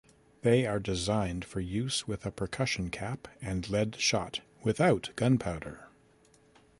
They are designed for use with a percussion cap and lead shot, without gunpowder.